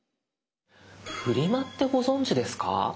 フリマってご存じですか？